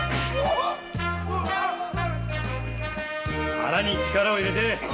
腹に力を入れて！